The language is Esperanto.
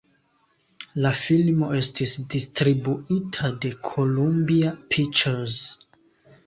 La filmo estis distribuita de Columbia Pictures.